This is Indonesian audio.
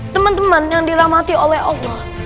teman teman yang dirahmati oleh allah